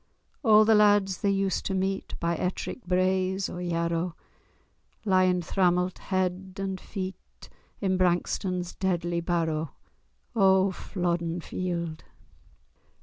A' the lads they used to meet By Ettrick braes or Yarrow Lyin' thrammelt head and feet In Brankstone's deadly barrow! O Flodden Field!